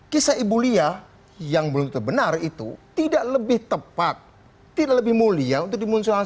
kisah ibu lia yang belum terbenar itu tidak lebih tepat tidak lebih mulia untuk dimunculkan